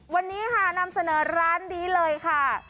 วันนี้ค่ะนำเสนอร้านนี้เลยค่ะ